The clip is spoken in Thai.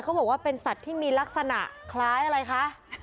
บอกว่าเป็นสัตว์ที่มีลักษณะคล้ายอะไรคะ